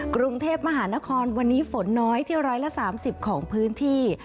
กรุงเทพมหานครวันนี้ฝนน้อยที่๑๓๐ของพื้นที่